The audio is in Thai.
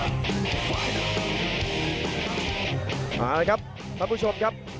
นะครับครับผู้ชมครับ